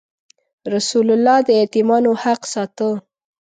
رسول الله د یتیمانو حق ساته.